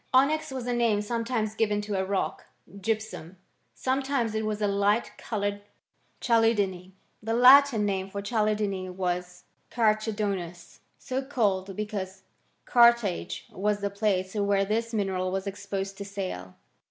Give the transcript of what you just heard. Onyx was a name sometimes given to a rock j gypsum ; sometimes it ¥ras a light coloured chalcedony » The Latin name for chalcedony was carchedonius, so called because Carthage was the place where this mineral was exposed to sale.